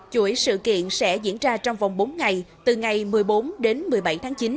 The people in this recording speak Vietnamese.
chuỗi sự kiện sẽ diễn ra trong vòng bốn ngày từ ngày một mươi bốn đến một mươi bảy tháng chín